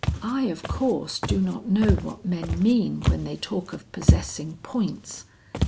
"I, of course, do not know what men mean when they talk of possessing points.